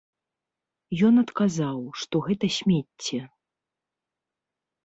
Ён адказаў, што гэта смецце.